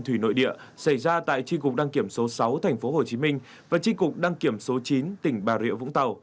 thủy nội địa xảy ra tại tri cục đăng kiểm số sáu tp hcm và tri cục đăng kiểm số chín tỉnh bà rịa vũng tàu